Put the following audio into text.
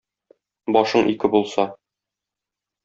Башың ике булса...